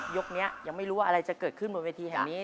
ยกนี้ยังไม่รู้ว่าอะไรจะเกิดขึ้นบนเวทีแห่งนี้